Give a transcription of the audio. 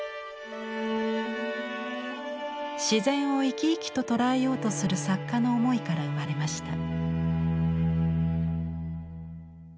自然を生き生きと捉えようとする作家の思いから生まれました。